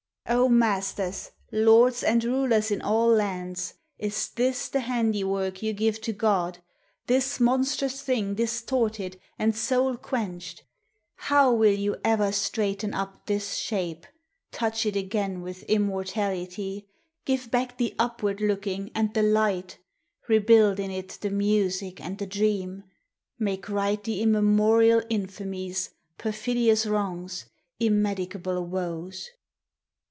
O masters, lords and rulers in all lands, Is this the handiwork you give to God, This monstrous thing distorted and soul quenched 1 How will you ever straighten up this shape ; Touch it again with immortality ; Give back the upward looking and the light ; Rebuild in it the music and the dream ; Make right the immemorial infamies, Perfidious wrongs, immedicable woes?